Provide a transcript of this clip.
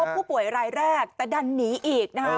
ผู้ป่วยรายแรกแต่ดันหนีอีกนะคะ